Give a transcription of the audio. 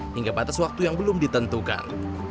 hingga batas waktu yang belum ditentukan